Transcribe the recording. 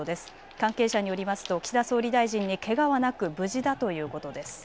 関係者によりますと岸田総理大臣にけがはなく無事だということです。